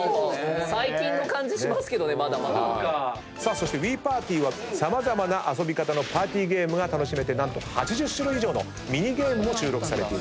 そして『ＷｉｉＰａｒｔｙ』は様々な遊び方のパーティーゲームが楽しめて何と８０種類以上のミニゲームも収録されていると。